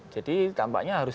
jadi tampaknya harus